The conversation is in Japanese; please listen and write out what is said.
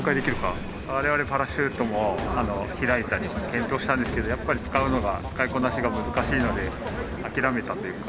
我々パラシュートも開いたり検討したんですけどやっぱり使うのが使いこなしが難しいので諦めたというか。